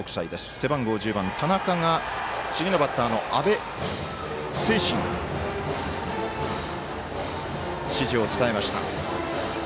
背番号１０番の田中が次のバッターの安部政信に指示を伝えました。